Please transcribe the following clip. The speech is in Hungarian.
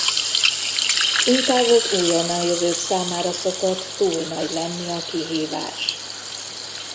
Inkább az újonnan jövők számára szokott túl nagy lenni a kihívás.